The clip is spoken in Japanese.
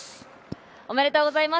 おめでとうございます。